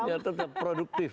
ya tetap produktif ya produktif